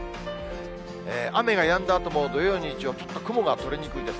雨がやんだあとも、土曜、日曜、ちょっと雲が取れにくいです。